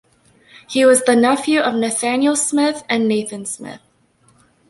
He was the nephew of Nathaniel Smith and Nathan Smith.